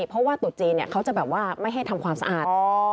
เพราะว่าตุจีนเขาจะแบบว่าไม่ให้ทำความสะอาด